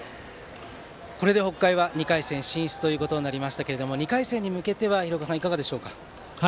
これで北海は２回戦進出となりましたが２回戦に向けては廣岡さん、いかがでしょうか？